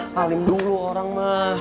salim dulu orang mah